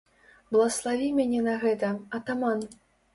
Блаславі мяне на гэта, атаман!